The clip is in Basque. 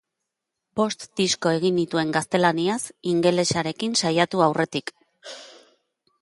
Bost disko egin nituen gaztelaniaz, ingelesarekin saiatu aurretik.